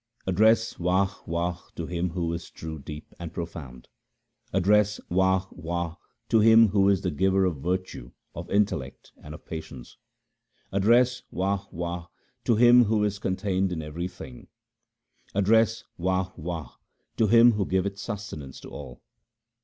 Address Wah ! Wah ! to Him who is true, deep, and profound ; Address Wah ! Wah ! to Him who is the giver of virtue, of intellect, and of patience ; Address Wah ! Wah ! to Him who is contained in every thing ; Address Wah ! Wah ! to Him who giveth sustenance to all.